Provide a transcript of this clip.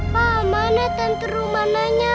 pak mana tante rumananya